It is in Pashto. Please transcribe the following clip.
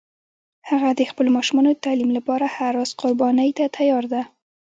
هغه د خپلو ماشومانو د تعلیم لپاره هر راز قربانی ته تیار ده